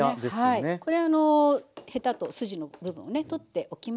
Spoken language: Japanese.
これあのヘタと筋の部分をね取っておきました。